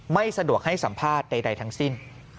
ไม่สะดวกให้สัมภาษณ์ใดทั้งสิ้น